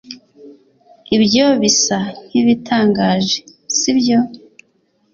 Ibyo bisa nkibitangaje, sibyo?